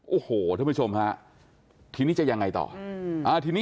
โอ้โหลุยผู้ชมทีนี้จะยังไงต่อ